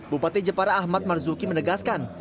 bupati jepara ahmad marzuki menegaskan